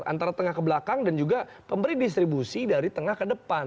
antara tengah ke belakang dan juga pemberi distribusi dari tengah ke depan